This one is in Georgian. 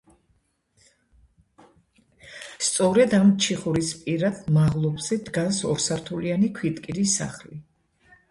სწორედ ამ ჩიხურის პირად, მაღლობზე, დგას ორსართულიანი ქვითკირის სახლი.